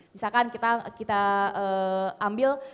misalkan kita ambil